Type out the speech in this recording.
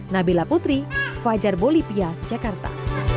nabila putri fajar bolivia jakarta